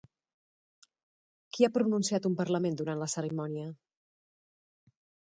Qui ha pronunciat un parlament durant la cerimònia?